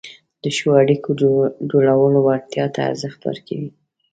د ښو اړیکو جوړولو وړتیا ته ارزښت ورکوي،